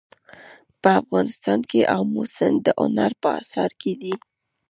په افغانستان کې آمو سیند د هنر په اثار کې دی.